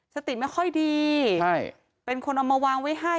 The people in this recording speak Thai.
สติไม่ค่อยดีใช่เป็นคนเอามาวางไว้ให้